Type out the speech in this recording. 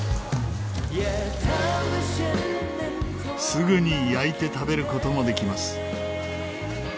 すぐに焼いて食べる事もできます。